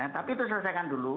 tapi itu selesaikan dulu